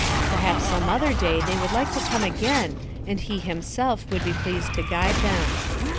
Perhaps some other day they would like to come again and he himself would be pleased to guide them.